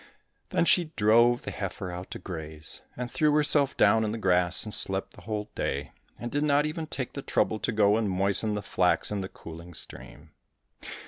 Then she drove the heifer out to graze, and threw herself down in the grass, and slept the whole day, and did not even take the trouble to go and moisten the flax in the cooling stream.